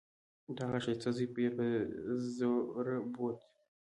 د هغه ښايسته زوى يې په زوره بوت.